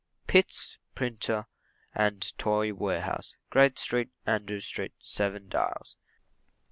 Pitts, Printer and Toy Warehouse, Great St. Andrew Street, 7 Dials.